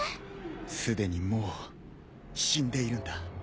すでにもう死んでいるんだ。